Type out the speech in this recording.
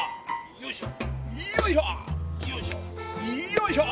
よいしょ！